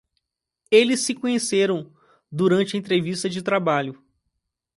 Eles se conheceram durante a entrevista de trabalho